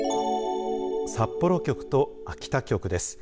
札幌局と秋田局です。